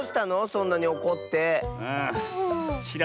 そんなにおこって。